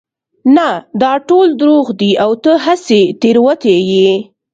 نه دا ټول دروغ دي او ته هسې تېروتي يې